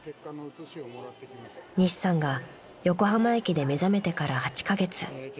［西さんが横浜駅で目覚めてから８カ月］